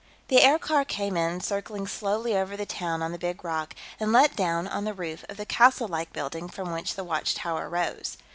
The aircar came in, circling slowly over the town on the big rock, and let down on the roof of the castle like building from which the watchtower rose.